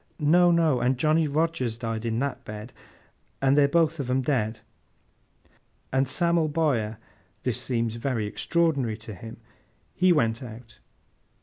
'No, no! and Johnny Rogers died in that bed, and—and—they're both on 'em dead—and Sam'l Bowyer;' this seems very extraordinary to him; 'he went out!